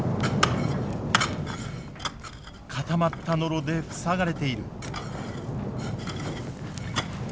固まったノロで塞がれている。